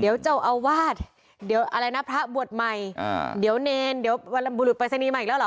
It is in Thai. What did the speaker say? เดี๋ยวเจ้าอาวาสเดี๋ยวอะไรนะพระบวชใหม่เดี๋ยวเนรเดี๋ยววันบุรุษปริศนีย์มาอีกแล้วเหรอ